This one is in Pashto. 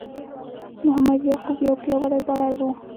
محمد یعقوب یو پياوړی بالر وو.